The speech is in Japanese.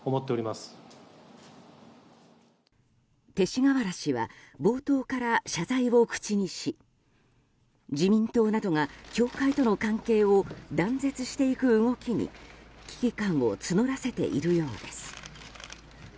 勅使河原氏は冒頭から謝罪を口にし自民党などが教会との関係を断絶していく動きに危機感を募らせているようです。